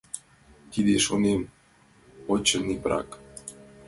Тиде, шонем, очыни, брак.